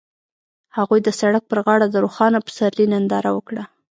هغوی د سړک پر غاړه د روښانه پسرلی ننداره وکړه.